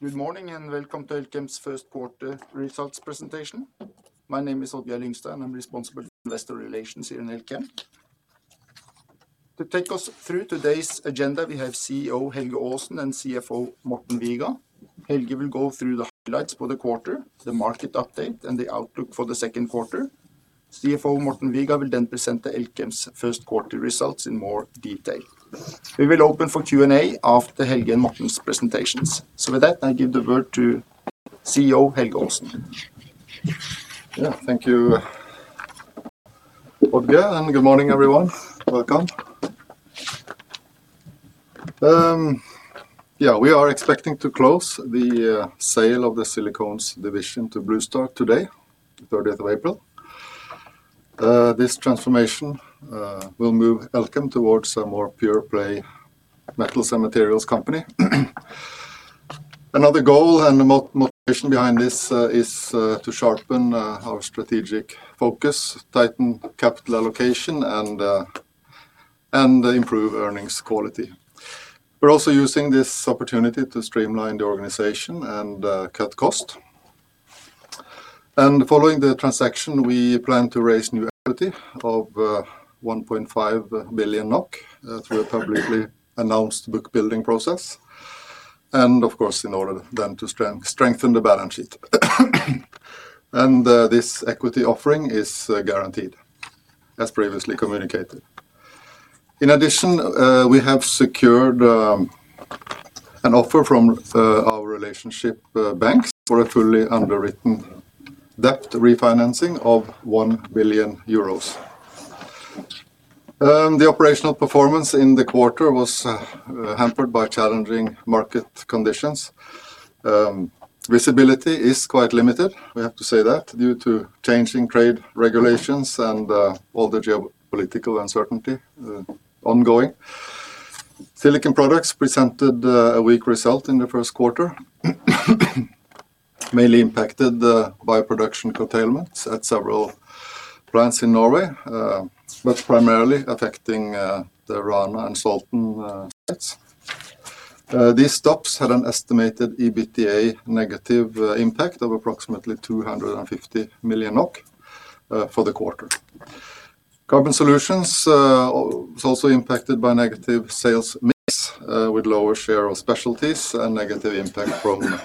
Good morning, and welcome to Elkem's first quarter results presentation. My name is Odd-Geir Lyngstad, and I'm responsible for investor relations here in Elkem. To take us through today's agenda, we have CEO Helge Aasen and CFO Morten Viga. Helge will go through the highlights for the quarter, the market update, and the outlook for the second quarter. CFO Morten Viga will then present Elkem's first quarter results in more detail. We will open for Q&A after Helge and Morten's presentations. With that, I give the word to CEO Helge Aasen. Yeah. Thank you, Odd-Geir, and good morning, everyone. Welcome. Yeah, we are expecting to close the sale of the Silicones division to Bluestar today, the 30th of April. This transformation will move Elkem towards a more pure-play metals and materials company. Another goal and motivation behind this is to sharpen our strategic focus, tighten capital allocation, and improve earnings quality. We're also using this opportunity to streamline the organization and cut cost. Following the transaction, we plan to raise new equity of 1.5 billion NOK through a publicly announced book building process and, of course, in order then to strengthen the balance sheet. This equity offering is guaranteed, as previously communicated. In addition, we have secured an offer from our relationship banks for a fully underwritten debt refinancing of 1 billion euros. The operational performance in the quarter was hampered by challenging market conditions. Visibility is quite limited, we have to say that, due to changing trade regulations and all the geopolitical uncertainty ongoing. Silicon Products presented a weak result in the first quarter, mainly impacted by production curtailments at several plants in Norway, but primarily affecting the Rana and Salten sites. These stops had an estimated EBITDA negative impact of approximately 250 million NOK for the quarter. Carbon Solutions was also impacted by negative sales mix, with lower share of specialties and negative impact from currency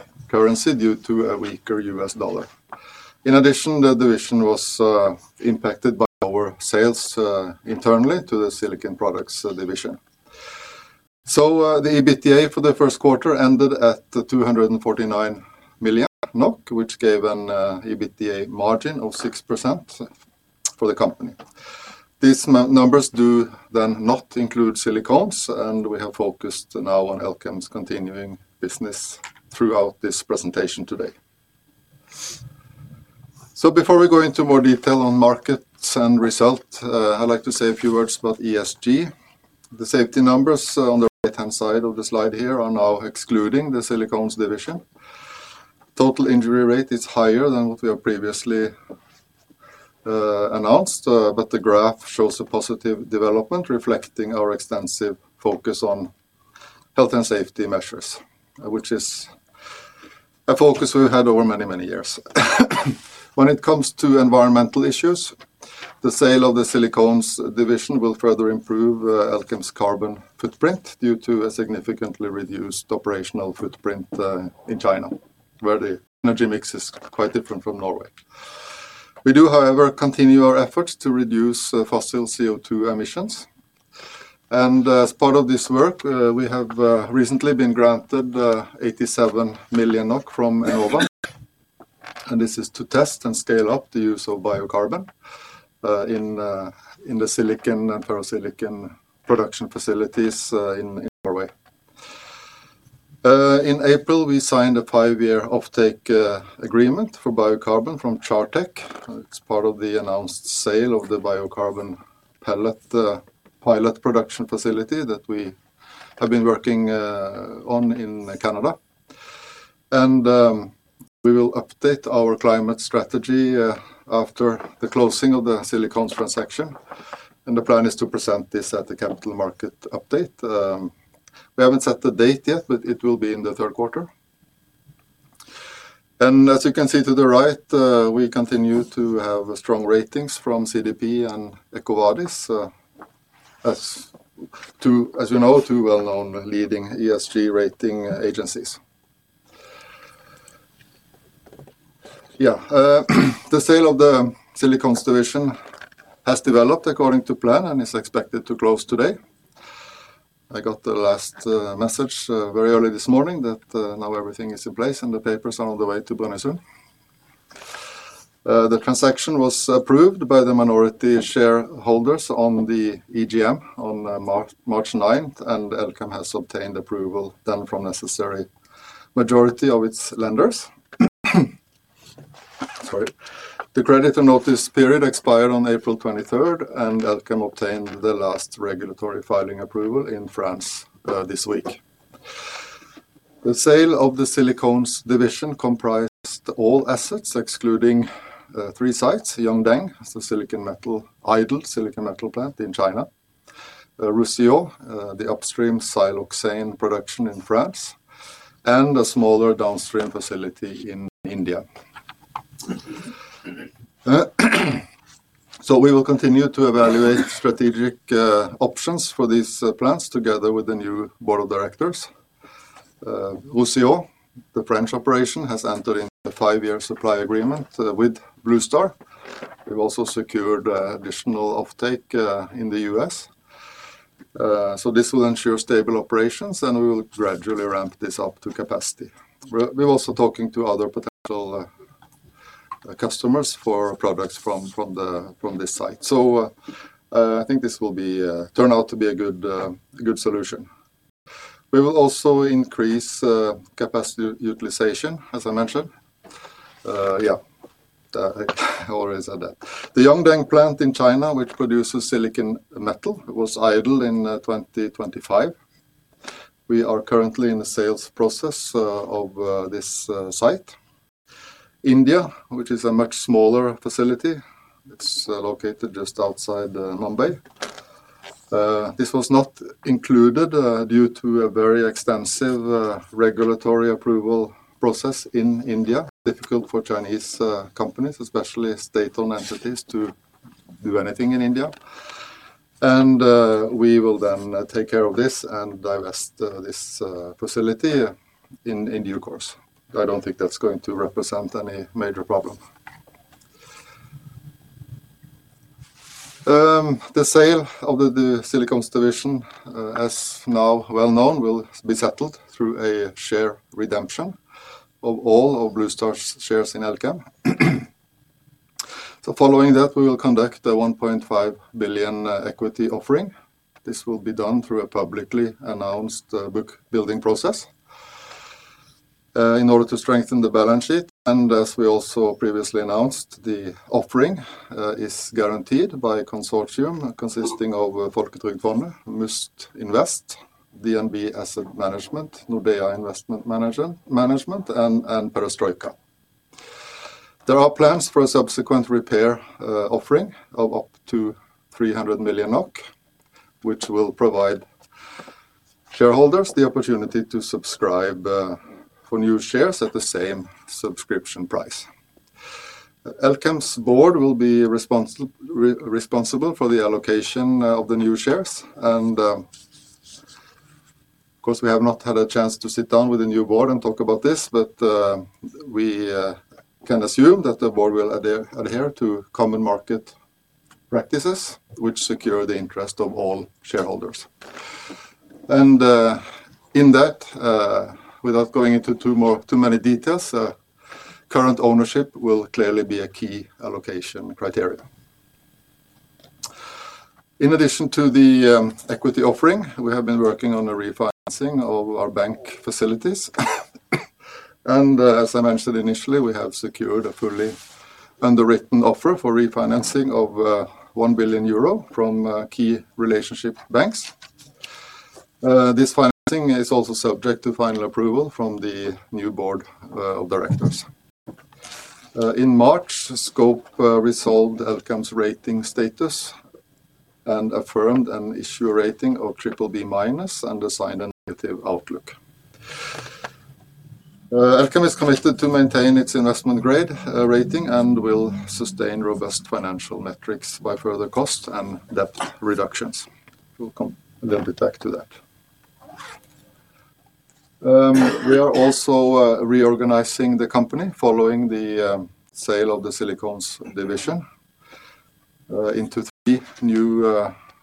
due to a weaker U.S. dollar. In addition, the division was impacted by lower sales internally to the Silicon Products division. The EBITDA for the first quarter ended at 249 million NOK, which gave an EBITDA margin of 6% for the company. These numbers do then not include Silicones, and we have focused now on Elkem's continuing business throughout this presentation today. Before we go into more detail on markets and result, I'd like to say a few words about ESG. The safety numbers on the right-hand side of the slide here are now excluding the Silicones division. Total injury rate is higher than what we have previously announced, but the graph shows a positive development reflecting our extensive focus on health and safety measures, which is a focus we've had over many, many years. When it comes to environmental issues, the sale of the Silicones division will further improve Elkem's carbon footprint due to a significantly reduced operational footprint in China, where the energy mix is quite different from Norway. We do, however, continue our efforts to reduce fossil CO2 emissions. As part of this work, we have recently been granted 87 million NOK from Enova, and this is to test and scale up the use of biocarbon in the silicon and ferrosilicon production facilities in Norway. In April, we signed a five-year offtake agreement for biocarbon from CHAR Tech. It's part of the announced sale of the biocarbon pellet pilot production facility that we have been working on in Canada. We will update our climate strategy after the closing of the Silicones transaction, and the plan is to present this at the capital market update. We haven't set the date yet, but it will be in the third quarter. As you can see to the right, we continue to have strong ratings from CDP and EcoVadis, as two, as you know, two well-known leading ESG rating agencies. The sale of the Silicones division has developed according to plan and is expected to close today. I got the last message very early this morning that now everything is in place, and the papers are on the way to Bryne soon. The transaction was approved by the minority shareholders on the EGM on March 9th, and Elkem has obtained approval then from necessary majority of its lenders. Sorry. The creditor notice period expired on April 23rd, and Elkem obtained the last regulatory filing approval in France this week. The sale of the Silicones division comprised all assets excluding three sites. Yongdeng, it's a idle silicon metal plant in China. Roussillon, the upstream siloxane production in France, and a smaller downstream facility in India. We will continue to evaluate strategic options for these plants together with the new board of directors. Roussillon, the French operation, has entered into a five-year supply agreement with Bluestar. We've also secured additional offtake in the U.S. This will ensure stable operations, and we will gradually ramp this up to capacity. We're also talking to other potential customers for products from this site. I think this will be turn out to be a good solution. We will also increase capacity utilization, as I mentioned. Yeah. I already said that. The Yongdeng plant in China, which produces silicon metal, was idle in 2025. We are currently in the sales process of this site. India, which is a much smaller facility, it's located just outside Mumbai. This was not included due to a very extensive regulatory approval process in India. Difficult for Chinese companies, especially state-owned entities, to do anything in India. We will then take care of this and divest this facility in due course. I don't think that's going to represent any major problem. The sale of the Silicones division, as now well known, will be settled through a share redemption of all of Bluestar's shares in Elkem. Following that, we will conduct a 1.5 billion equity offering. This will be done through a publicly announced book building process in order to strengthen the balance sheet. As we also previously announced, the offering is guaranteed by a consortium consisting of Folketrygdfondet, Must Invest, DNB Asset Management, Nordea Investment Management, and Perestroika. There are plans for a subsequent repair offering of up to 300 million NOK, which will provide shareholders the opportunity to subscribe for new shares at the same subscription price. Elkem's board will be responsible for the allocation of the new shares. Of course, we have not had a chance to sit down with the new Board and talk about this, but we can assume that the Board will adhere to common market practices which secure the interest of all shareholders. In that, without going into too many details, current ownership will clearly be a key allocation criteria. In addition to the equity offering, we have been working on a refinancing of our bank facilities. As I mentioned initially, we have secured a fully underwritten offer for refinancing of 1 billion euro from key relationship banks. This financing is also subject to final approval from the new Board of Directors. In March, Scope resolved Elkem's rating status and affirmed an issue rating of BBB- and assigned a negative outlook. Elkem is committed to maintain its investment-grade rating and will sustain robust financial metrics by further cost and debt reductions. We'll come a little bit back to that. We are also reorganizing the company following the sale of the Silicones division into three new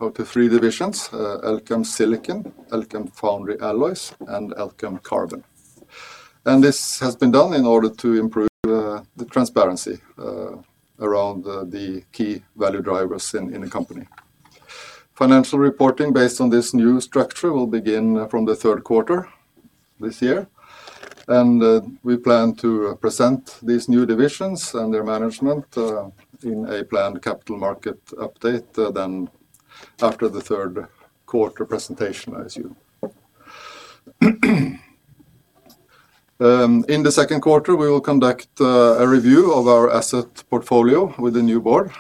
or to three divisions, Elkem Silicon, Elkem Foundry Alloys, and Elkem Carbon. This has been done in order to improve the transparency around the key value drivers in the company. Financial reporting based on this new structure will begin from the third quarter this year. We plan to present these new divisions and their management in a planned capital market update then after the third quarter presentation, I assume. In the second quarter, we will conduct a review of our asset portfolio with the new board.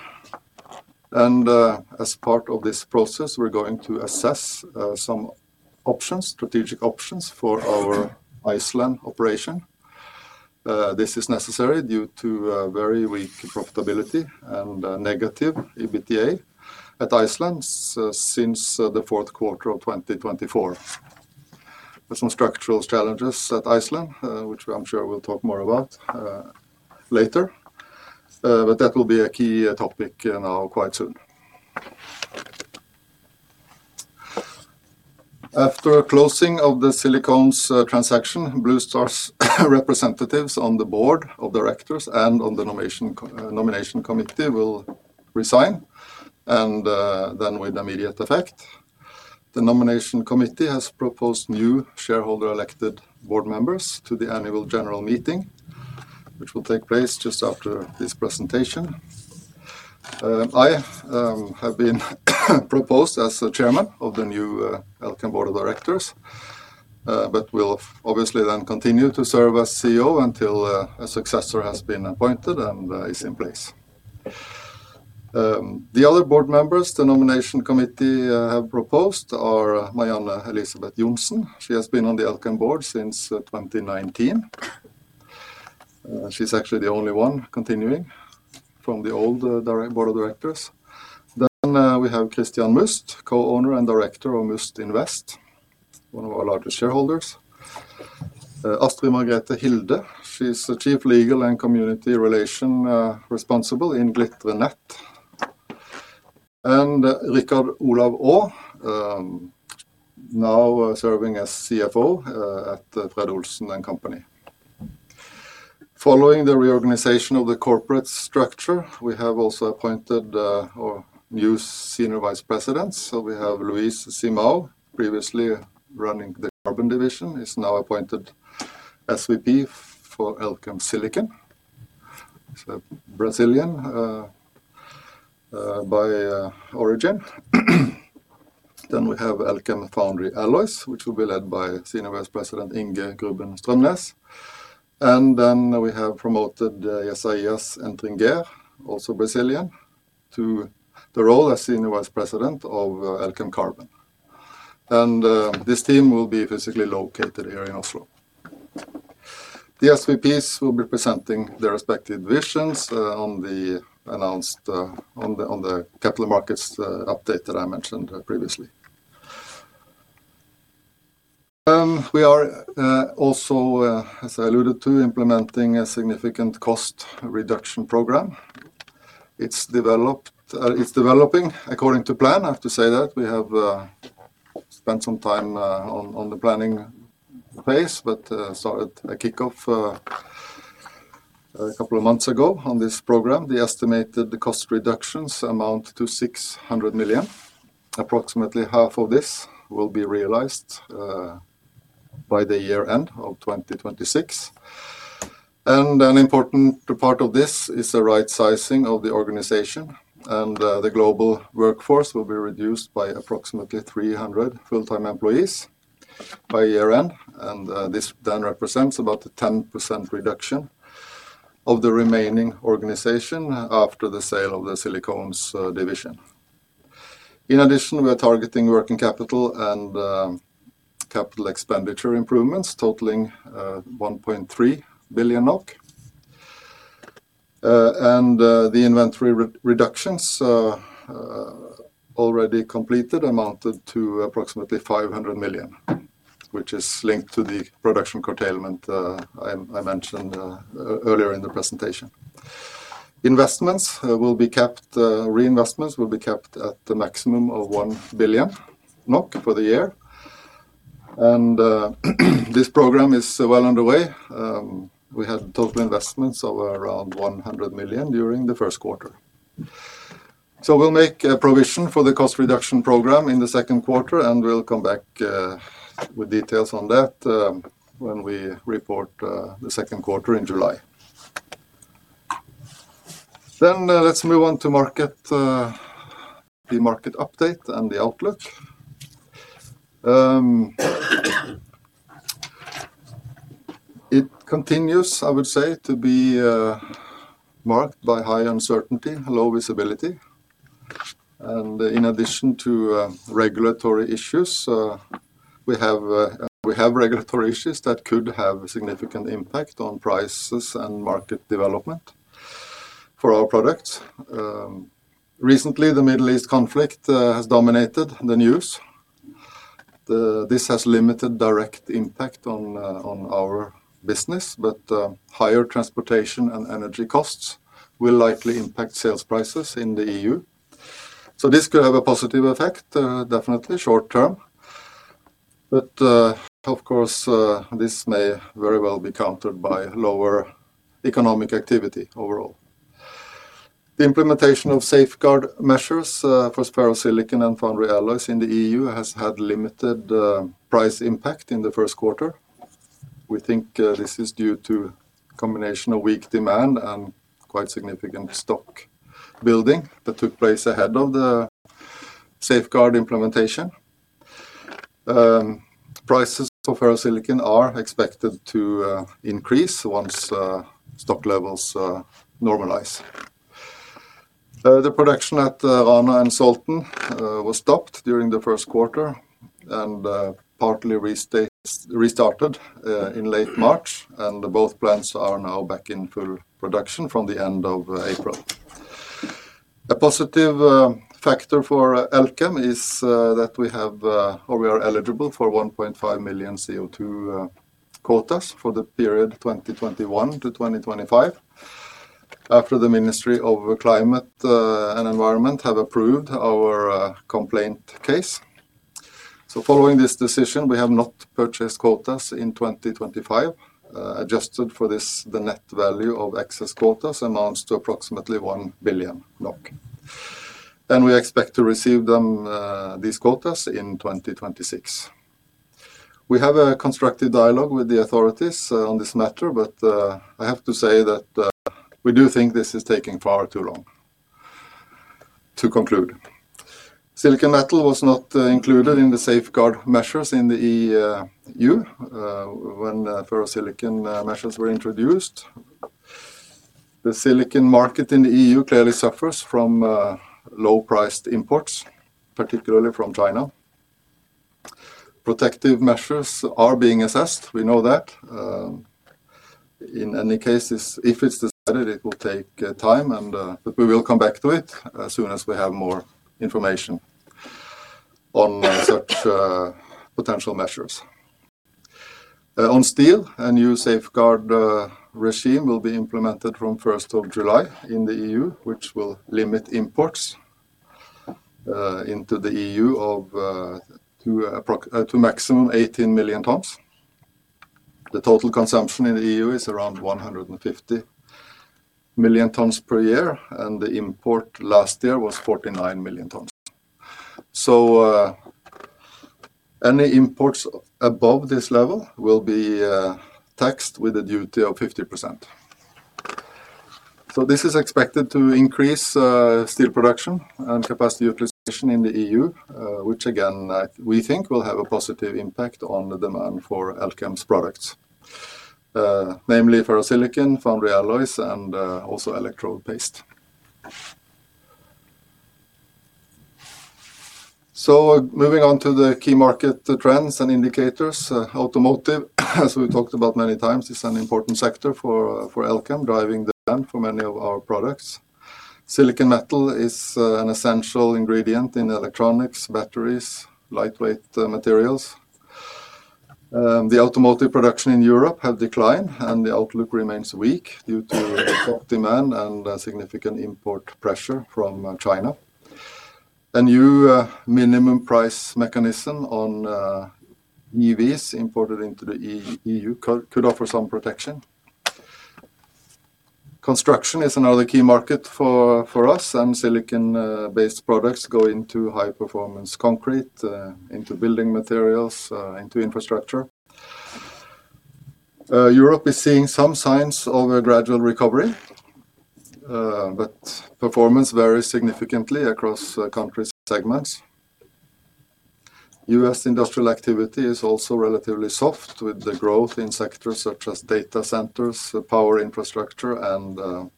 As part of this process, we're going to assess some options, strategic options for our Iceland operation. This is necessary due to very weak profitability and a negative EBITDA at Iceland since Q4 2024. There's some structural challenges at Iceland, which I'm sure we'll talk more about later. That will be a key topic now quite soon. After closing of the Silicones transaction, Bluestar's representatives on the board of directors and on the nomination committee will resign, with immediate effect. The nomination committee has proposed new shareholder-elected board members to the annual general meeting, which will take place just after this presentation. I have been proposed as the chairman of the new Elkem board of directors. Will obviously then continue to serve as CEO until a successor has been appointed and is in place. The other board members, the nomination committee, have proposed are Marianne Elisabeth Johnsen. She has been on the Elkem board since 2019. She's actually the only one continuing from the old board of directors. We have Christian Must, co-owner and director of Must Invest, one of our largest shareholders. Astrid Margrethe Hilde, she's the Chief Legal and Community Relation responsible in Glitre Nett. Richard Olav Aa, now serving as CFO at Fred. Olsen & Co. Following the reorganization of the corporate structure, we have also appointed our new Senior Vice Presidents. We have Luiz Simão, previously running the carbon division, is now appointed SVP for Elkem Silicon. He is a Brazilian by origin. We have Elkem Foundry Alloys, which will be led by Senior Vice President Inge Grubben-Strømnes. We have promoted Izaias Entringer, also Brazilian, to the role as Senior Vice President of Elkem Carbon. This team will be physically located here in Oslo. The SVPs will be presenting their respective visions on the announced on the capital markets update that I mentioned previously. We are also, as I alluded to, implementing a significant cost reduction program. It is developing according to plan. I have to say that. We have spent some time on the planning phase, but started a kickoff a couple of months ago on this program. The estimated cost reductions amount to 600 million. Approximately half of this will be realized by the year-end of 2026. An important part of this is the right sizing of the organization, the global workforce will be reduced by approximately 300 full-time employees by year-end. This then represents about a 10% reduction of the remaining organization after the sale of the Silicones division. In addition, we are targeting working capital and CapEx improvements totaling NOK 1.3 billion. The inventory re-reductions already completed amounted to approximately 500 million, which is linked to the production curtailment I mentioned earlier in the presentation. Investments will be kept, reinvestments will be kept at the maximum of 1 billion NOK for the year. This program is well underway. We had total investments of around 100 million during the first quarter. We'll make a provision for the cost reduction program in the second quarter, and we'll come back with details on that when we report the second quarter in July. Let's move on to market, the market update and the outlook. It continues, I would say, to be marked by high uncertainty, low visibility. In addition to regulatory issues, we have regulatory issues that could have a significant impact on prices and market development for our products. Recently, the Middle East conflict has dominated the news. This has limited direct impact on our business, but higher transportation and energy costs will likely impact sales prices in the EU. This could have a positive effect, definitely short term. Of course, this may very well be countered by lower economic activity overall. The implementation of safeguard measures for ferrosilicon and foundry alloys in the EU has had limited price impact in the first quarter. We think this is due to combination of weak demand and quite significant stock building that took place ahead of the safeguard implementation. Prices of ferrosilicon are expected to increase once stock levels normalize. The production at Rana and Salten was stopped during the first quarter and partly restarted in late March, and both plants are now back in full production from the end of April. A positive factor for Elkem is that we have or we are eligible for 1.5 million CO2 quotas for the period 2021 to 2025 after the Ministry of Climate and Environment have approved our complaint case. Following this decision, we have not purchased quotas in 2025. Adjusted for this, the net value of excess quotas amounts to approximately 1 billion NOK. We expect to receive them, these quotas in 2026. We have a constructive dialogue with the authorities on this matter. I have to say that we do think this is taking far too long. To conclude, silicon metal was not included in the safeguard measures in the EU when ferrosilicon measures were introduced. The silicon market in the EU clearly suffers from low-priced imports, particularly from China. Protective measures are being assessed, we know that. In any case, if it is decided, it will take time, and we will come back to it as soon as we have more information on such potential measures. On steel, a new safeguard regime will be implemented from 1st of July in the EU, which will limit imports into the EU to maximum 18 million tonnes. The total consumption in the EU is around 150 million tonnes per year, and the import last year was 49 million tonnes. Any imports above this level will be taxed with a duty of 50%. This is expected to increase steel production and capacity utilization in the EU, which again, we think will have a positive impact on the demand for Elkem's products, namely ferrosilicon, foundry alloys and also electrode paste. Moving on to the key market, the trends and indicators, automotive, as we talked about many times, is an important sector for Elkem, driving demand for many of our products. Silicon metal is an essential ingredient in electronics, batteries, lightweight materials. The automotive production in Europe have declined, and the outlook remains weak due to weak demand and significant import pressure from China. A new minimum price mechanism on EVs imported into the EU could offer some protection. Construction is another key market for us, and silicon based products go into high-performance concrete, into building materials, into infrastructure. Europe is seeing some signs of a gradual recovery, but performance varies significantly across country segments. U.S. industrial activity is also relatively soft with the growth in sectors such as data centers, power infrastructure, and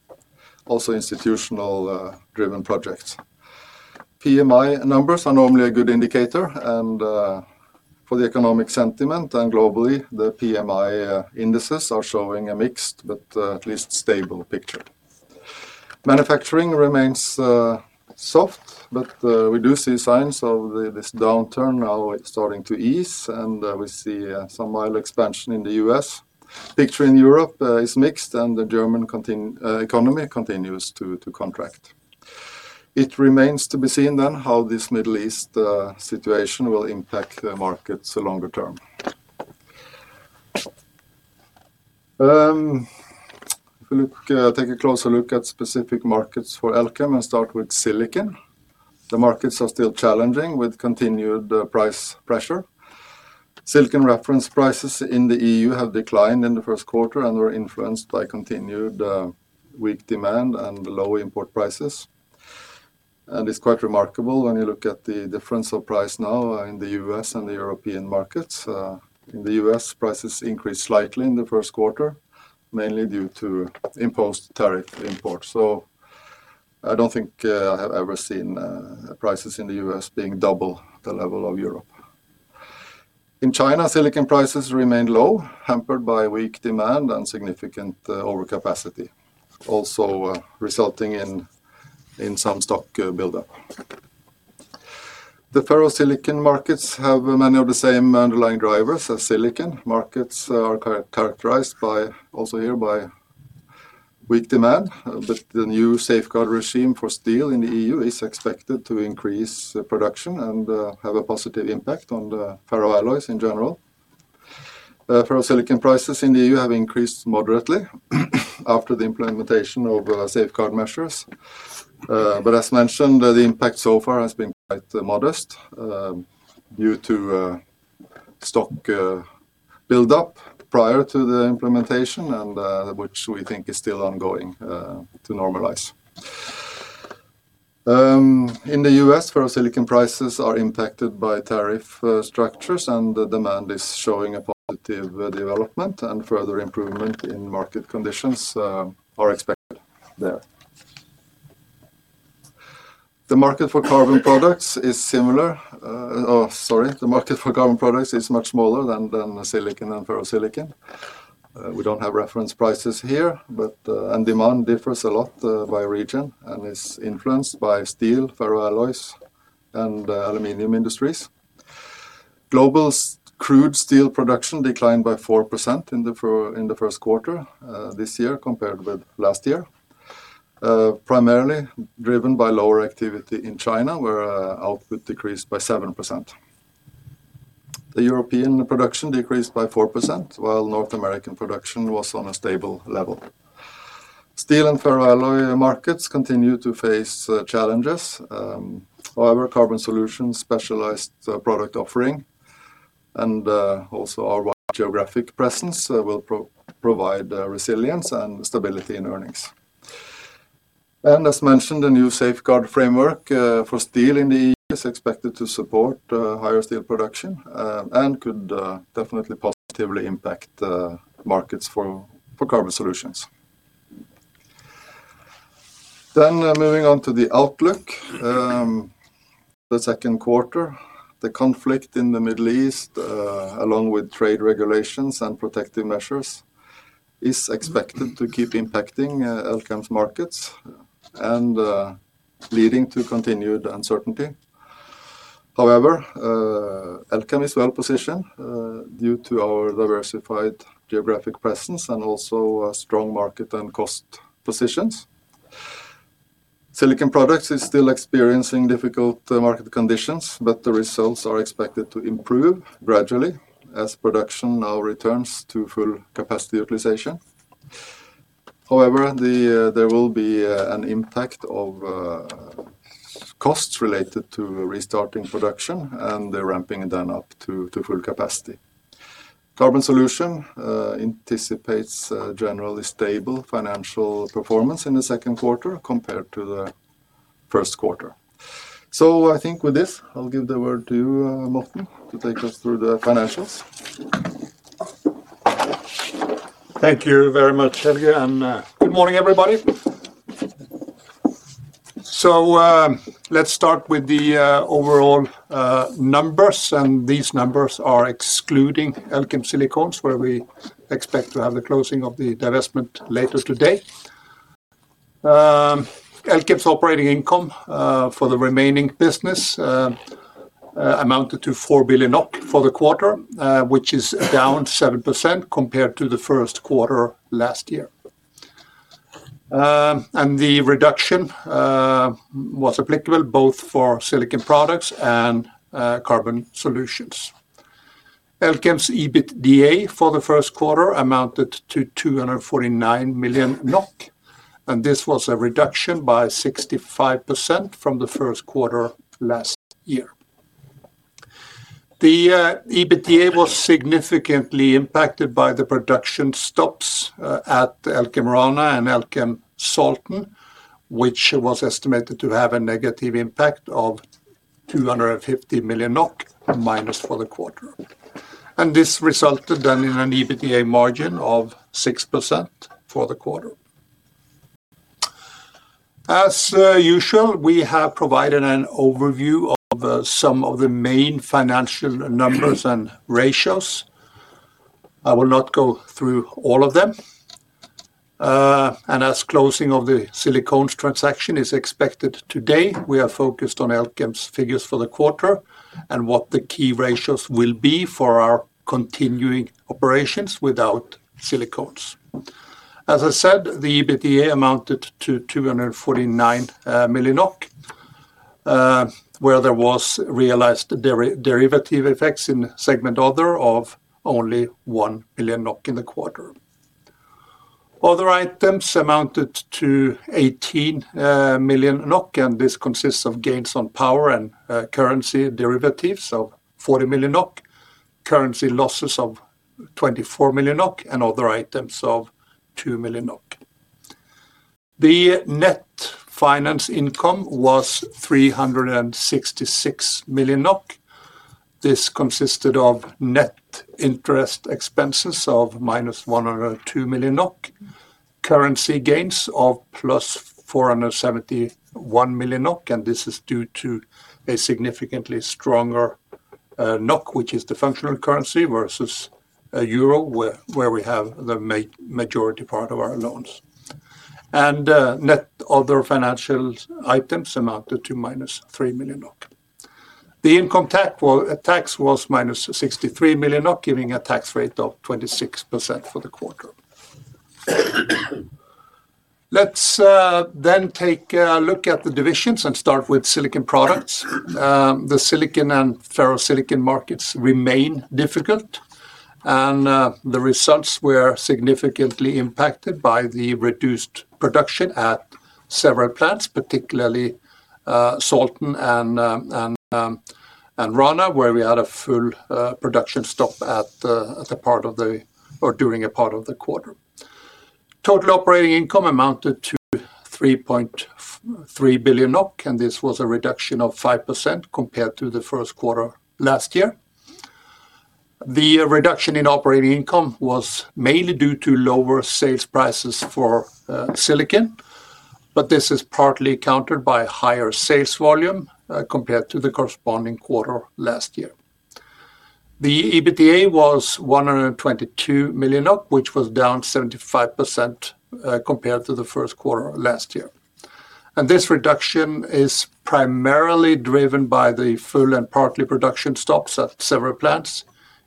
also institutional driven projects. PMI numbers are normally a good indicator for the economic sentiment, and globally, the PMI indices are showing a mixed but at least stable picture. Manufacturing remains soft, but we do see signs of this downturn now starting to ease and we see some mild expansion in the U.S. Picture in Europe is mixed and the German economy continues to contract. It remains to be seen then how this Middle East situation will impact the markets longer term. If we look, take a closer look at specific markets for Elkem and start with silicon. The markets are still challenging with continued price pressure. Silicon reference prices in the EU have declined in the first quarter and were influenced by continued weak demand and low import prices. It's quite remarkable when you look at the difference of price now in the U.S. and the European markets. In the U.S., prices increased slightly in the first quarter, mainly due to imposed tariff imports. I don't think I have ever seen prices in the U.S. being double the level of Europe. In China, silicon prices remained low, hampered by weak demand and significant overcapacity, also resulting in some stock buildup. The ferrosilicon markets have many of the same underlying drivers as silicon. Markets are characterized by, also here, by weak demand. The new safeguard regime for steel in the EU is expected to increase production and have a positive impact on the ferroalloys in general. Ferrosilicon prices in the EU have increased moderately after the implementation of safeguard measures. As mentioned, the impact so far has been quite modest, due to stock build-up prior to the implementation and which we think is still ongoing to normalize. In the U.S., ferrosilicon prices are impacted by tariff structures, and the demand is showing a positive development and further improvement in market conditions are expected there. The market for carbon products is similar. The market for carbon products is much smaller than silicon and ferrosilicon. We don't have reference prices here, but and demand differs a lot by region and is influenced by steel, ferroalloys and aluminum industries. Global crude steel production declined by 4% in the first quarter this year compared with last year. Primarily driven by lower activity in China, where output decreased by 7%. The European production decreased by 4%, while North American production was on a stable level. Steel and ferroalloy markets continue to face challenges. However, Carbon Solutions' specialized product offering, also our wide geographic presence, will provide resilience and stability in earnings. As mentioned, the new safeguard framework for steel in the EU is expected to support higher steel production and could definitely positively impact markets for Carbon Solutions. Moving on to the outlook. For the second quarter, the conflict in the Middle East, along with trade regulations and protective measures, is expected to keep impacting Elkem's markets and leading to continued uncertainty. However, Elkem is well-positioned due to our diversified geographic presence and also a strong market and cost positions. Silicon Products is still experiencing difficult market conditions, but the results are expected to improve gradually as production now returns to full capacity utilization. However, there will be an impact of costs related to restarting production and the ramping then up to full capacity. Carbon Solutions anticipates a generally stable financial performance in the second quarter compared to the first quarter. I think with this, I'll give the word to you, Morten, to take us through the financials. Thank you very much, Helge. Good morning, everybody. Let's start with the overall numbers. These numbers are excluding Elkem Silicones, where we expect to have the closing of the divestment later today. Elkem's operating income for the remaining business amounted to 4 billion for the quarter, which is down 7% compared to the first quarter last year. The reduction was applicable both for Silicon Products and Carbon Solutions. Elkem's EBITDA for the first quarter amounted to 249 million NOK. This was a reduction by 65% from the first quarter last year. The EBITDA was significantly impacted by the production stops at Elkem Rana and Elkem Salten, which was estimated to have a negative impact of 250 million NOK- for the quarter. This resulted in an EBITDA margin of 6% for the quarter. As usual, we have provided an overview of some of the main financial numbers and ratios. I will not go through all of them. As closing of the Silicones transaction is expected today, we are focused on Elkem's figures for the quarter and what the key ratios will be for our continuing operations without Silicones. As I said, the EBITDA amounted to 249 million, where there was realized derivative effects in segment other of only 1 billion NOK in the quarter. Other items amounted to 18 million NOK, this consists of gains on power and currency derivatives of 40 million NOK, currency losses of 24 million NOK, and other items of 2 million NOK. The net finance income was 366 million NOK. This consisted of net interest expenses of -102 million NOK, currency gains of +471 million NOK. This is due to a significantly stronger NOK, which is the functional currency, versus a euro, where we have the majority part of our loans. Net other financial items amounted to -3 million NOK. The income tax was -63 million NOK, giving a tax rate of 26% for the quarter. Let's then take a look at the divisions and start with Silicon Products. The silicon and ferrosilicon markets remain difficult. The results were significantly impacted by the reduced production at several plants, particularly Salten and Rana, where we had a full production stop during a part of the quarter. Total operating income amounted to 3.3 billion NOK, and this was a reduction of 5% compared to the first quarter last year. The reduction in operating income was mainly due to lower sales prices for silicon, but this is partly countered by higher sales volume compared to the corresponding quarter last year. The EBITDA was 122 million, which was down 75% compared to the first quarter last year. This reduction is primarily driven by the full and partly production stops at several plants,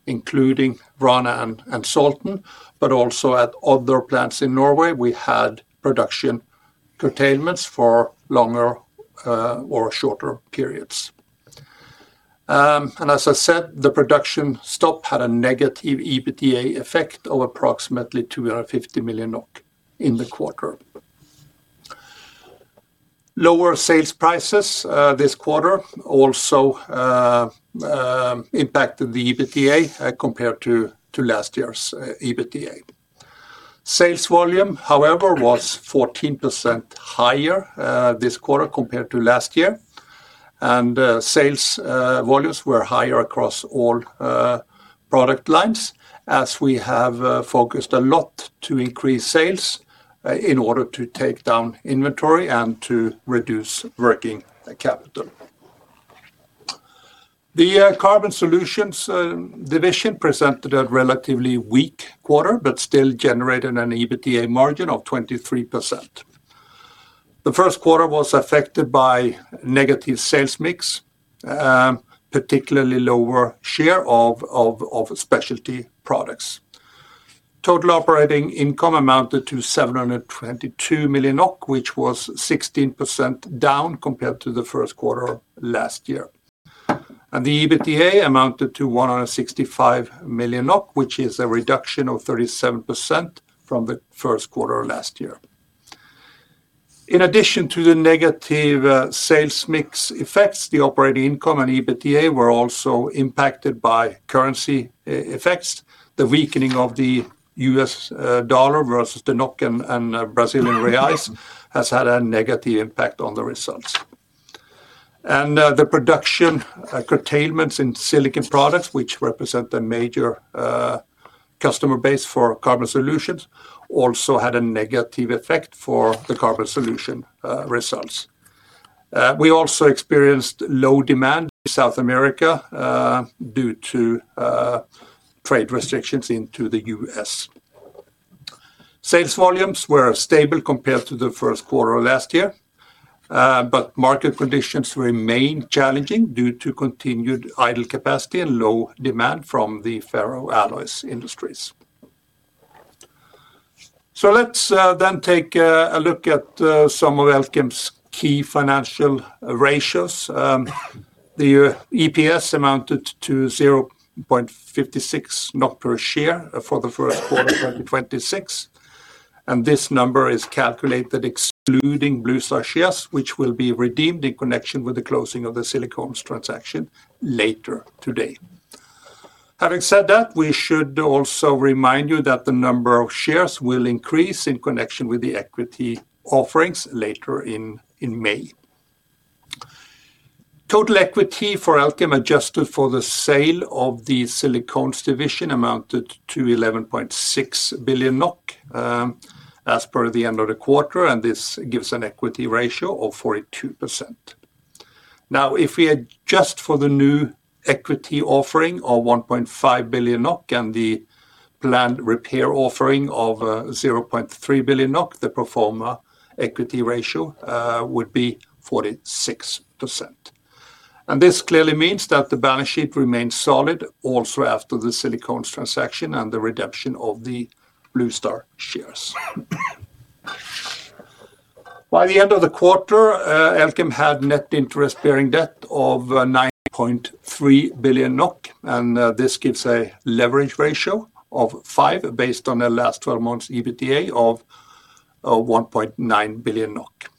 including Rana and Salten, but also at other plants in Norway we had production curtailments for longer or shorter periods. As I said, the production stop had a negative EBITDA effect of approximately 250 million NOK in the quarter. Lower sales prices this quarter also impacted the EBITDA compared to last year's EBITDA. Sales volume, however, was 14% higher this quarter compared to last year. Sales volumes were higher across all product lines as we have focused a lot to increase sales in order to take down inventory and to reduce working capital. Elkem Carbon Solutions division presented a relatively weak quarter, but still generated an EBITDA margin of 23%. The first quarter was affected by negative sales mix, particularly lower share of specialty products. Total operating income amounted to 722 million, which was 16% down compared to the first quarter last year. The EBITDA amounted to 165 million NOK, which is a reduction of 37% from the first quarter last year. In addition to the negative sales mix effects, the operating income and EBITDA were also impacted by currency effects. The weakening of the U.S. dollar versus the NOK and Brazilian reais has had a negative impact on the results. The production curtailments in Silicon Products, which represent a major customer base for Carbon Solutions, also had a negative effect for the Carbon Solutions results. We also experienced low demand in South America due to trade restrictions into the U.S. Sales volumes were stable compared to the first quarter last year, but market conditions remain challenging due to continued idle capacity and low demand from the ferroalloys industries. Let's then take a look at some of Elkem's key financial ratios. The EPS amounted to 0.56 per share for the first quarter 2026, and this number is calculated excluding Bluestar shares, which will be redeemed in connection with the closing of the Silicones transaction later today. Having said that, we should also remind you that the number of shares will increase in connection with the equity offerings later in May. Total equity for Elkem, adjusted for the sale of the Silicones division, amounted to 11.6 billion NOK as per the end of the quarter, and this gives an equity ratio of 42%. If we adjust for the new equity offering of 1.5 billion NOK and the planned repair offering of 0.3 billion NOK, the pro forma equity ratio would be 46%. This clearly means that the balance sheet remains solid also after the Silicones transaction and the redemption of the Bluestar shares. By the end of the quarter, Elkem had net interest-bearing debt of 9.3 billion NOK, and this gives a leverage ratio of 5 based on the last 12 months EBITDA of 1.9 billion NOK.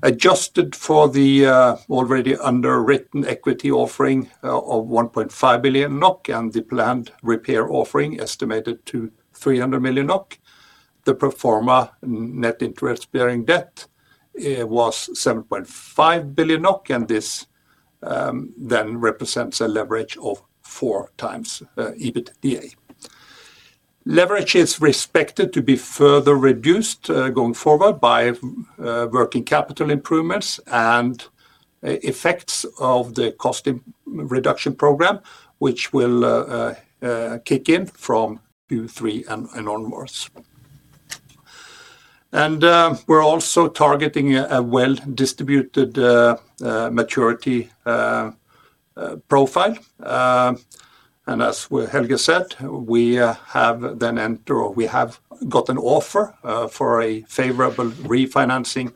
Adjusted for the already underwritten equity offering of 1.5 billion NOK and the planned repair offering estimated to 300 million NOK, the pro forma net interest-bearing debt was 7.5 billion NOK, and this then represents a leverage of 4x EBITDA. Leverage is respected to be further reduced going forward by working capital improvements and effects of the cost reduction program, which will kick in from Q3 and onwards. We're also targeting a well-distributed maturity profile. As Helge said, we have got an offer for a favorable refinancing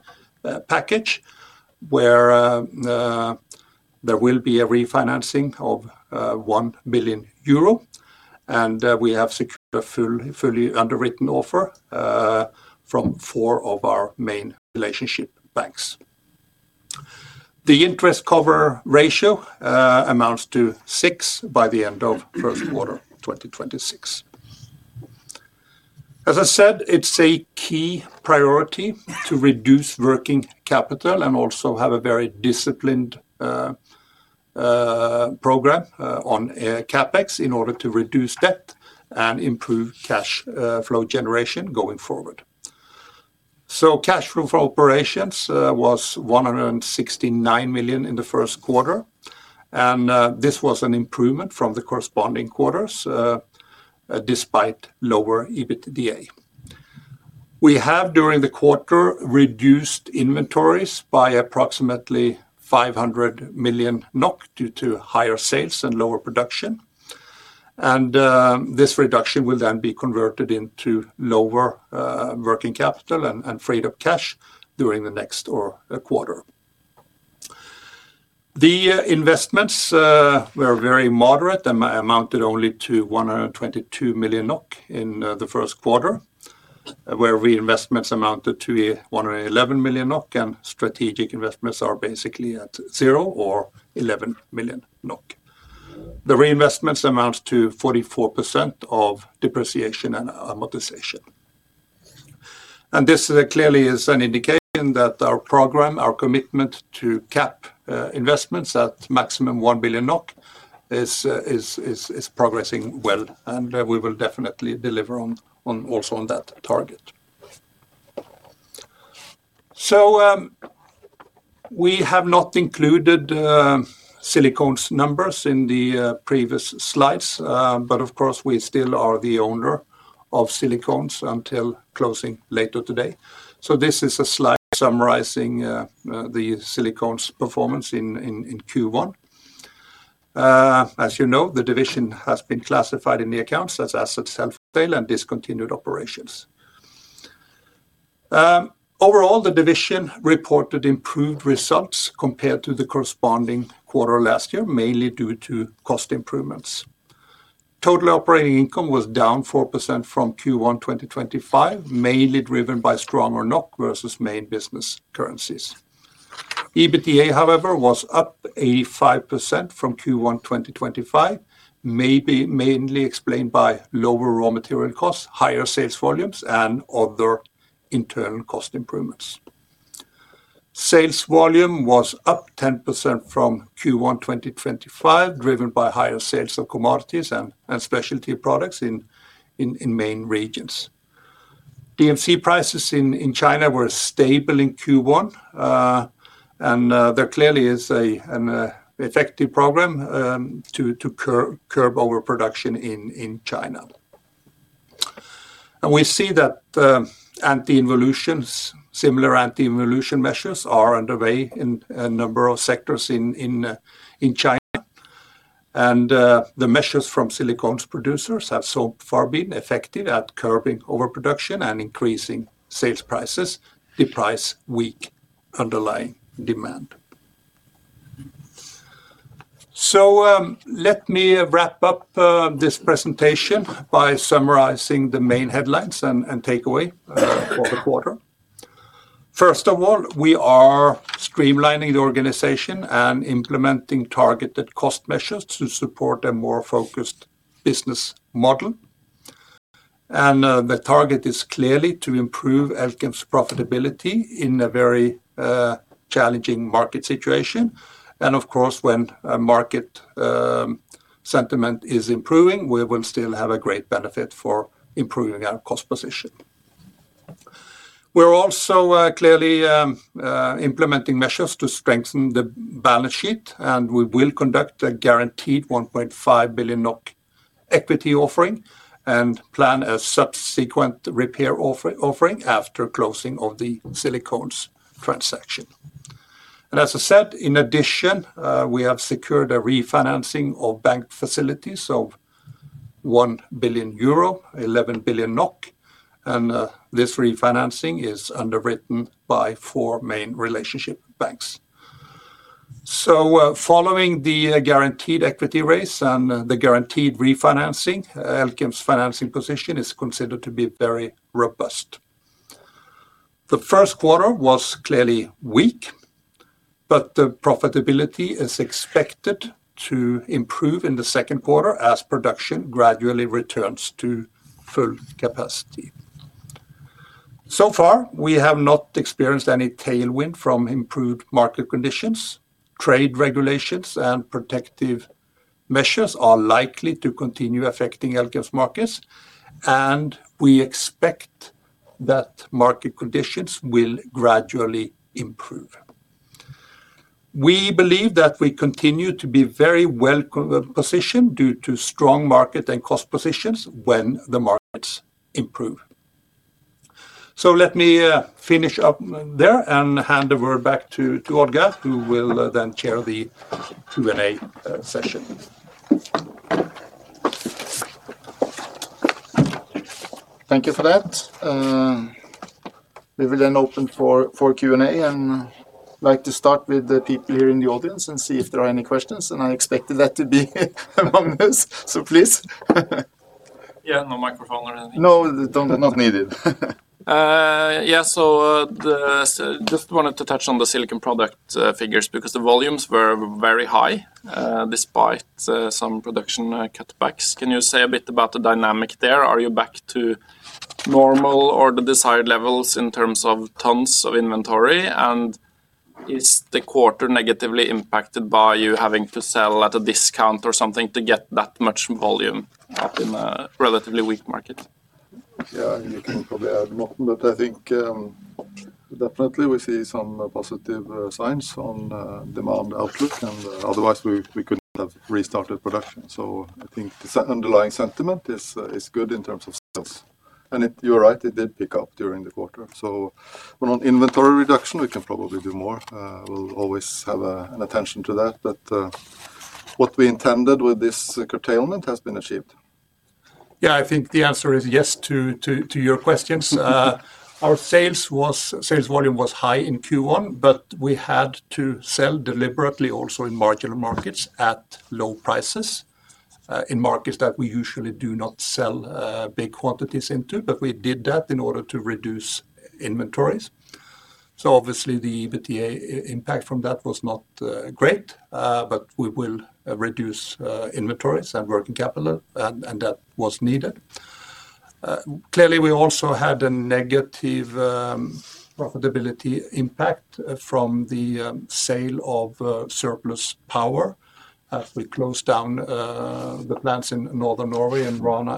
package where there will be a refinancing of 1 billion euro, we have secured a fully underwritten offer from four of our main relationship banks. The interest cover ratio amounts to 6 by the end of first quarter 2026. As I said, it's a key priority to reduce working capital and also have a very disciplined program on CapEx in order to reduce debt and improve cash flow generation going forward. Cash flow for operations was 169 million in the first quarter, this was an improvement from the corresponding quarters despite lower EBITDA. We have during the quarter reduced inventories by approximately 500 million NOK due to higher sales and lower production, and this reduction will then be converted into lower working capital and free-up cash during the next quarter. The investments were very moderate. They amounted only to 122 million NOK in the first quarter, where reinvestments amounted to 111 million NOK and strategic investments are basically at zero or 11 million NOK. The reinvestments amounts to 44% of depreciation and amortization. This clearly is an indication that our program, our commitment to CapEx investments at maximum 1 billion NOK is progressing well, and we will definitely deliver on also on that target. We have not included Silicones numbers in the previous slides. Of course we still are the owner of Silicones until closing later today. This is a slide summarizing the Silicones performance in Q1. As you know, the division has been classified in the accounts as assets held for sale and discontinued operations. Overall, the division reported improved results compared to the corresponding quarter last year, mainly due to cost improvements. Total operating income was down 4% from Q1 2025, mainly driven by stronger NOK versus main business currencies. EBITDA, however, was up 85% from Q1 2025, mainly explained by lower raw material costs, higher sales volumes, and other internal cost improvements. Sales volume was up 10% from Q1 2025, driven by higher sales of commodities and specialty products in main regions. DMC prices in China were stable in Q1. There clearly is an effective program to curb overproduction in China. We see that anti-involution, similar anti-involution measures are underway in a number of sectors in China. The measures from silicones producers have so far been effective at curbing overproduction and increasing sales prices, despite weak underlying demand. Let me wrap up this presentation by summarizing the main headlines and takeaway for the quarter. First of all, we are streamlining the organization and implementing targeted cost measures to support a more focused business model. The target is clearly to improve Elkem's profitability in a very challenging market situation. Of course, when a market sentiment is improving, we will still have a great benefit for improving our cost position. We're also implementing measures to strengthen the balance sheet, and we will conduct a guaranteed 1.5 billion NOK equity offering and plan a subsequent repair offering after closing of the Silicones transaction. As I said, in addition, we have secured a refinancing of bank facilities of 1 billion euro, 11 billion NOK, and this refinancing is underwritten by four main relationship banks. Following the guaranteed equity raise and the guaranteed refinancing, Elkem's financing position is considered to be very robust. The first quarter was clearly weak, but the profitability is expected to improve in the second quarter as production gradually returns to full capacity. So far, we have not experienced any tailwind from improved market conditions. Trade regulations and protective measures are likely to continue affecting Elkem's markets, and we expect that market conditions will gradually improve. We believe that we continue to be very well positioned due to strong market and cost positions when the markets improve. Let me finish up there and hand over back to Odd-Geir, who will then chair the Q&A session. Thank you for that. We will then open for Q&A, and I'd like to start with the people here in the audience and see if there are any questions, and I expected that to be among us. Please. Yeah, no microphone or anything. No, don't. Not needed. Just wanted to touch on the silicon product figures because the volumes were very high despite some production cutbacks. Can you say a bit about the dynamic there? Are you back to normal or the desired levels in terms of tons of inventory? Is the quarter negatively impacted by you having to sell at a discount or something to get that much volume up in a relatively weak market? Yeah. You can probably add more, but I think, definitely we see some positive signs on demand outlook and otherwise we couldn't have restarted production. I think the underlying sentiment is good in terms of sales. You're right, it did pick up during the quarter. On inventory reduction, we can probably do more. We'll always have an attention to that. What we intended with this curtailment has been achieved. Yeah, I think the answer is yes to your questions. Our sales volume was high in Q1, but we had to sell deliberately also in marginal markets at low prices, in markets that we usually do not sell big quantities into, but we did that in order to reduce inventories. Obviously the EBITDA impact from that was not great, but we will reduce inventories and working capital and that was needed. Clearly, we also had a negative profitability impact from the sale of surplus power. As we closed down the plants in Northern Norway in Rana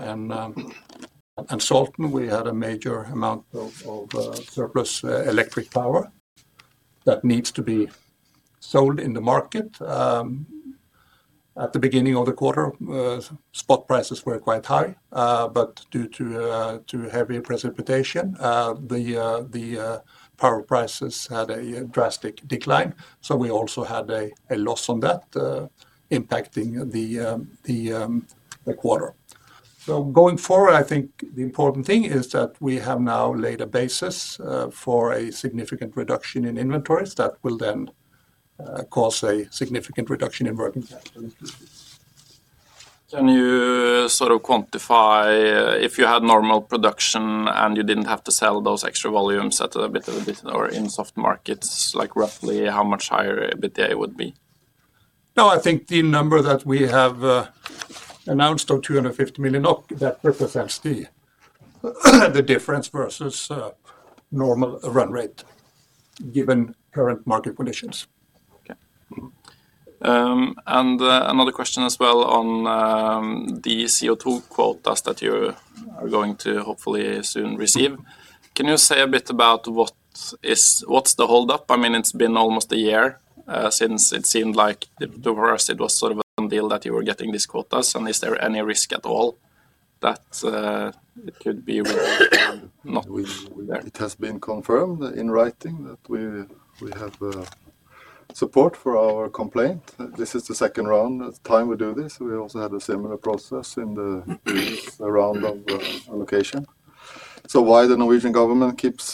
and Salten, we had a major amount of surplus electric power that needs to be sold in the market. At the beginning of the quarter, spot prices were quite high. Due to heavy precipitation, the power prices had a drastic decline, so we also had a loss on that impacting the quarter. Going forward, I think the important thing is that we have now laid a basis for a significant reduction in inventories that will then cause a significant reduction in working capital. Can you sort of quantify if you had normal production and you didn't have to sell those extra volumes at a bit of a discount or in soft markets, like roughly how much higher EBITDA would be? No, I think the number that we have announced of 250 million, that represents the difference versus normal run rate given current market conditions. Okay. Mm-hmm. Another question as well on the CO2 quotas that you are going to hopefully soon receive. Can you say a bit about what's the hold up? I mean, it's been almost a year since it seemed like to us it was sort of a done deal that you were getting these quotas. Is there any risk at all that it could not be there? We, it has been confirmed in writing that we have support for our complaint. This is the second time we do this. We also had a similar process in the previous round of allocation. Why the Norwegian government keeps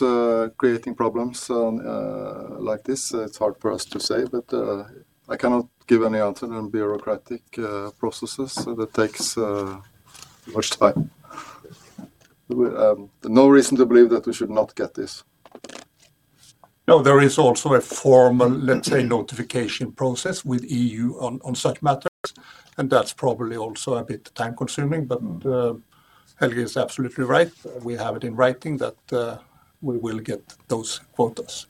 creating problems on like this, it's hard for us to say. I cannot give any answer on bureaucratic processes. That takes much time. We have no reason to believe that we should not get this. No, there is also a formal, let's say, notification process with EU on such matters, and that's probably also a bit time-consuming. Helge is absolutely right. We have it in writing that we will get those quotas.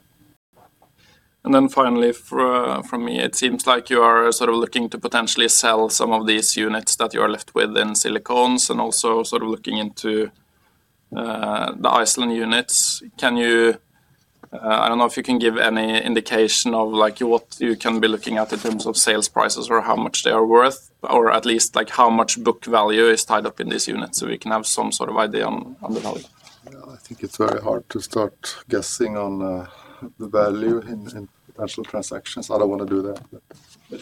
Finally from me, it seems like you are sort of looking to potentially sell some of these units that you are left with in Silicones and also sort of looking into the Iceland units. Can you, I don't know if you can give any indication of like what you can be looking at in terms of sales prices or how much they are worth, or at least like how much book value is tied up in these units, so we can have some sort of idea on the value? Well, I think it's very hard to start guessing on the value in potential transactions. I don't want to do that.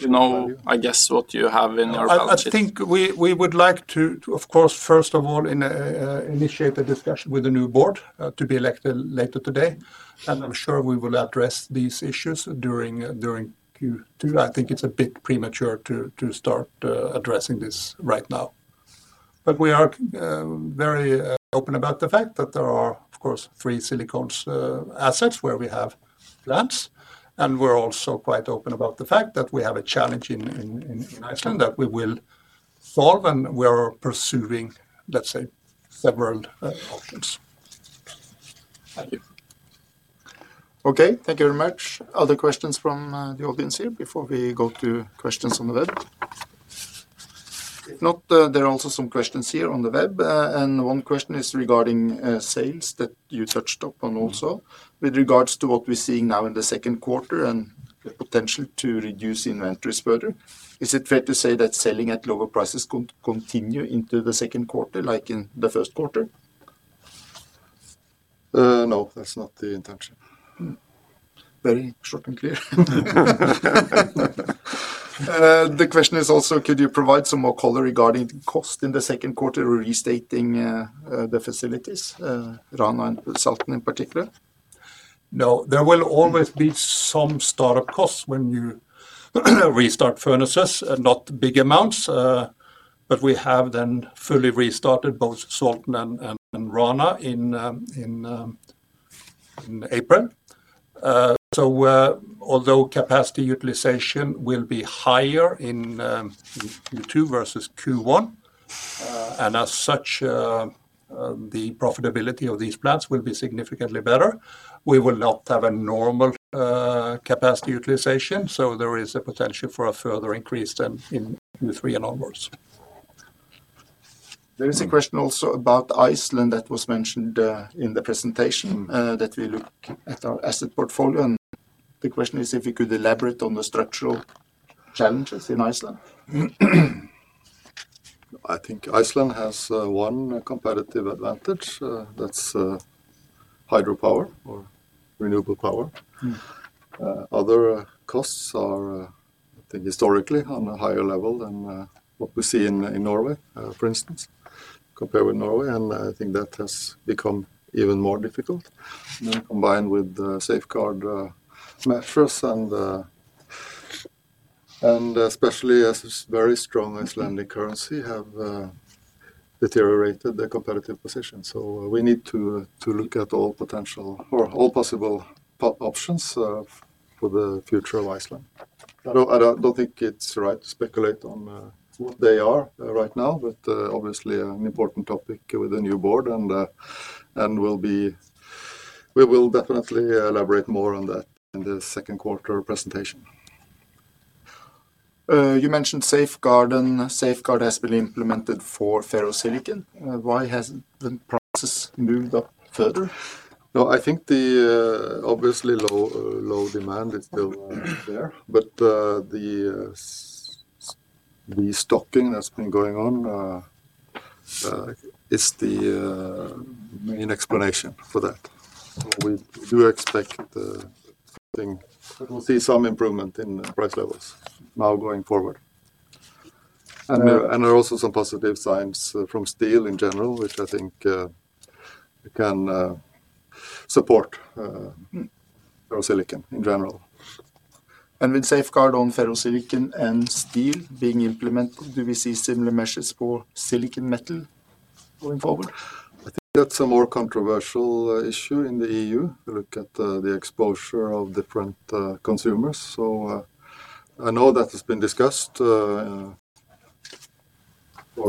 You know, I guess, what you have in your balance sheet. I think we would like to, of course, first of all, initiate a discussion with the new board to be elected later today. I'm sure we will address these issues during Q2. I think it's a bit premature to start addressing this right now. We are very open about the fact that there are, of course, three Silicones assets where we have plants, and we're also quite open about the fact that we have a challenge in Iceland that we will solve and we are pursuing, let's say, several options. Thank you. Okay. Thank you very much. Other questions from the audience here before we go to questions on the web? If not, there are also some questions here on the web. One question is regarding sales that you touched upon also. With regards to what we are seeing now in the second quarter and the potential to reduce inventories further, is it fair to say that selling at lower prices continue into the second quarter like in the first quarter? No, that's not the intention. Very short and clear. The question is also could you provide some more color regarding cost in the second quarter restating the facilities, Rana and Salten in particular? No. There will always be some start-up costs when you restart furnaces. Not big amounts, but we have then fully restarted both Salten and Rana in April. Although capacity utilization will be higher in Q2 versus Q1, and as such, the profitability of these plants will be significantly better, we will not have a normal capacity utilization, so there is a potential for a further increase then in Q3 and onwards. There is a question also about Iceland that was mentioned in the presentation that we look at our asset portfolio, and the question is if you could elaborate on the structural challenges in Iceland? I think Iceland has one competitive advantage, that's hydropower or renewable power. Other costs are, I think historically on a higher level than, what we see in Norway, for instance, compare with Norway, and I think that has become even more difficult. Yeah. Combined with the safeguard measures and especially as its very strong Icelandic currency have deteriorated the competitive position. We need to look at all potential or all possible options for the future of Iceland. I don't think it's right to speculate on what they are right now, but obviously an important topic with the new board and We will definitely elaborate more on that in the second quarter presentation. You mentioned safeguard, and safeguard has been implemented for ferrosilicon. Why hasn't the prices moved up further? No, I think the obviously low, low demand is still there, but the stocking that's been going on is the main explanation for that. We do expect something that will see some improvement in price levels now going forward. There are also some positive signs from steel in general, which I think can support ferrosilicon in general. With safeguard on ferrosilicon and steel being implemented, do we see similar measures for silicon metal going forward? I think that's a more controversial issue in the EU. Look at the exposure of different consumers. I know that has been discussed for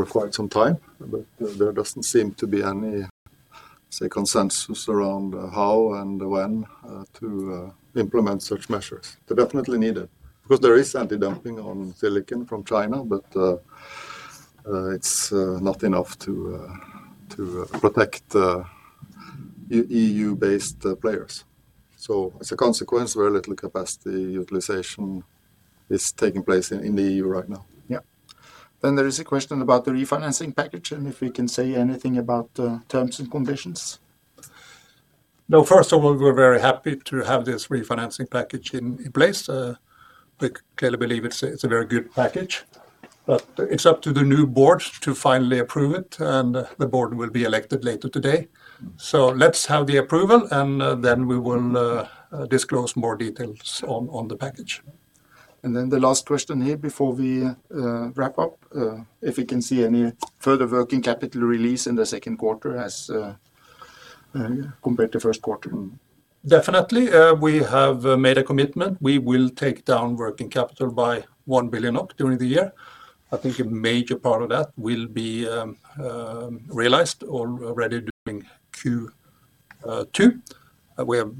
quite some time, but there doesn't seem to be any, say, consensus around how and when to implement such measures. They're definitely needed because there is anti-dumping on silicon from China, but it's not enough to protect EU based players. As a consequence, very little capacity utilization is taking place in the EU right now. Yeah. There is a question about the refinancing package, and if we can say anything about terms and conditions. First of all, we're very happy to have this refinancing package in place. We clearly believe it's a very good package, but it's up to the new board to finally approve it, and the board will be elected later today. Let's have the approval, and then we will disclose more details on the package. The last question here before we wrap up, if you can see any further working capital release in the second quarter as compared to first quarter. Definitely. We have made a commitment. We will take down working capital by 1 billion during the year. I think a major part of that will be realized already during Q2. We have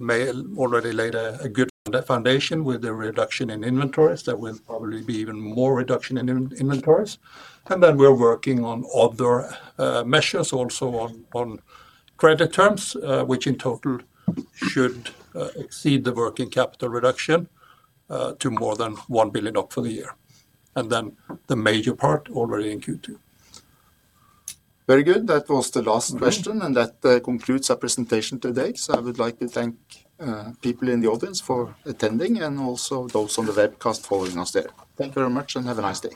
already laid a good foundation with the reduction in inventories. There will probably be even more reduction in inventories. Then we're working on other measures also on credit terms, which in total should exceed the working capital reduction to more than 1 billion for the year, and then the major part already in Q2. Very good. That was the last question. That concludes our presentation today. I would like to thank people in the audience for attending and also those on the webcast following us there. Thank you very much and have a nice day.